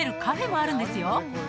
カフェもあるんですよ